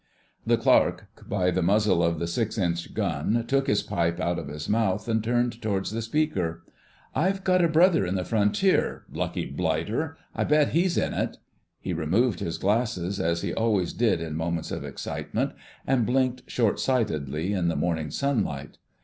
The Clerk by the muzzle of the 6 in. gun took his pipe out of his mouth and turned towards the speaker. "I've got a brother on the Frontier—lucky blighter, I bet he's in it!" He removed his glasses, as he always did in moments of excitement, and blinked short sightedly in the morning sunlight.